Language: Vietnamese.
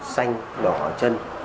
xanh đỏ chân